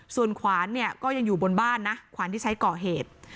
ส่วนขวานเนี่ยก็ยังอยู่บนบ้านนะขวานที่ใช้ก่อเหตุ